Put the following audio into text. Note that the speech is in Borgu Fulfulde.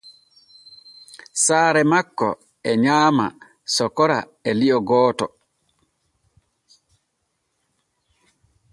Saare makko e nyaama sokora e li’o gooto.